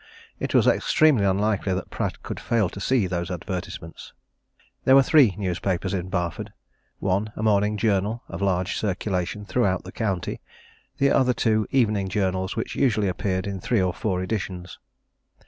It was extremely unlikely that Pratt could fail to see those advertisements. There were three newspapers in Barford: one a morning journal of large circulation throughout the county; the other two, evening journals, which usually appeared in three or four editions.